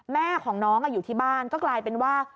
แม่ของน้องอยู่ที่บ้านก็กลายเป็นว่า